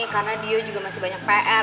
karena dio juga masih banyak pr